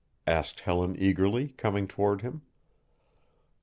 asked Helen eagerly, coming toward him.